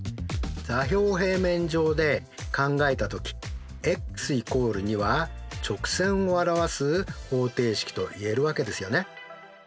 座標平面上で考えたときｘ＝２は直線を表す方程式といえるわけですよね。